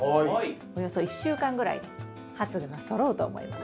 およそ１週間ぐらいで発芽がそろうと思います。